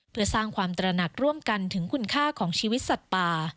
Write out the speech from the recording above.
เพื่อสร้างความตระหนักร่วมกันถึงคุณค่าของชีวิตสัตว์ป่า